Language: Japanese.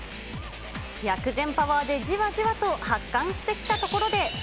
薬膳パワーでじわじわと発汗してきたところで。